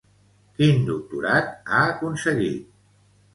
Quin doctorat ha aconseguit?